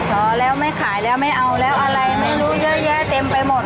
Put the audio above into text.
รอแล้วไม่ขายแล้วไม่เอาแล้วอะไรไม่รู้เยอะแยะเต็มไปหมด